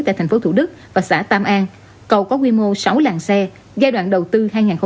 tại tp thủ đức và xã tam an cầu có quy mô sáu làng xe giai đoạn đầu tư hai nghìn hai mươi sáu hai nghìn ba mươi